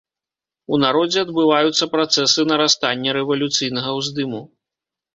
У народзе адбываюцца працэсы нарастання рэвалюцыйнага ўздыму.